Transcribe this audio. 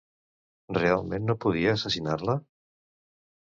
Realment no podia assassinar-la?